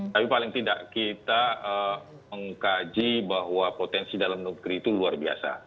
tapi paling tidak kita mengkaji bahwa potensi dalam negeri itu luar biasa